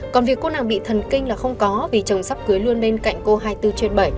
còn việc cô nào bị thần kinh là không có vì chồng sắp cưới luôn bên cạnh cô hai mươi bốn trên bảy